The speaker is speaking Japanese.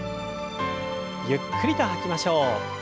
ゆっくりと吐きましょう。